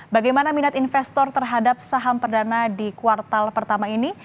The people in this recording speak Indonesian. bagaimana minat investor terhadap saham perdana di kuartal pertama ini